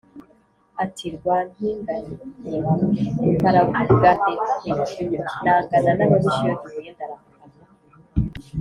ati Rwampingane! Nti: Rukaragandekwe nangana n’ababisha iyo duhuye ndarakara.